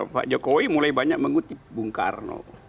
pak jokowi mulai banyak mengutip bung karno